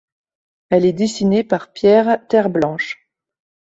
Elle est dessinée par Pierre Terblanche.